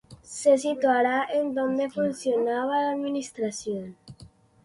Se situaría en donde funcionaba la Administración.